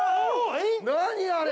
何あれ！